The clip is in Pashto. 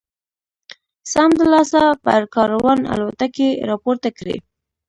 سمدلاسه پر کاروان الوتکې را پورته کړي.